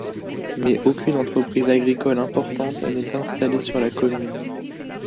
Mais aucune entreprise agricole importante n'est installée sur la commune.